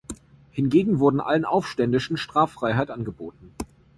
Hingegen wurden allen Aufständischen Straffreiheit angeboten.